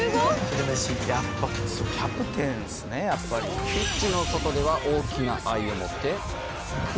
「やっぱキャプテンですねやっぱり」「ピッチの外では大きな愛を持ってクールに振る舞う」